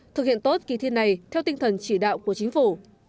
thực hiện tốt kỳ thi này theo tinh thần chỉ đạo của chính phủ